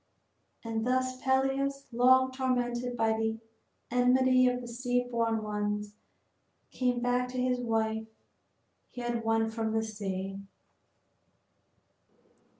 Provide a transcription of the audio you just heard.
And thus Peleus, long tormented by the enmity of the sea born ones, came back to the wife he had won from the sea.